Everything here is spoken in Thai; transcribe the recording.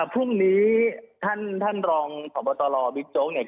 พรุ่งนี้ท่านรองพบตรบิ๊กโจ๊กเนี่ย